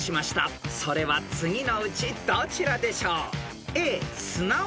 ［それは次のうちどちらでしょう？］